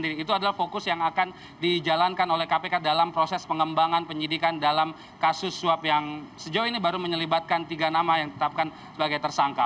itu adalah fokus yang akan dijalankan oleh kpk dalam proses pengembangan penyidikan dalam kasus suap yang sejauh ini baru menyelibatkan tiga nama yang ditetapkan sebagai tersangka